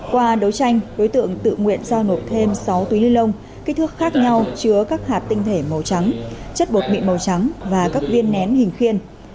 qua đấu tranh đối tượng tự nguyện giao nộp thêm sáu túi ni lông kích thước khác nhau chứa các hạt tinh thể màu trắng chất bột bị màu trắng và các viên nén hình khiên